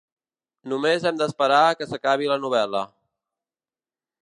Només hem d'esperar que s'acabi la novel·la.